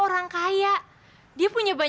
untuk sih pediatrician